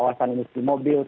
dan kawasan industri mobil